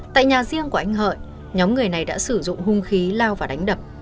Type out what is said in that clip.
tại nhà riêng của anh hợi nhóm người này đã sử dụng hung khí lao và đánh đập